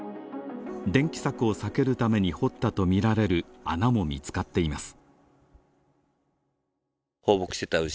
電気柵を避けるために掘ったとみられる穴も見つかっています。